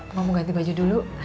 emang mau ganti baju dulu